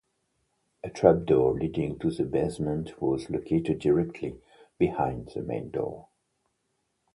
A trap door leading to the basement was located directly behind the main door.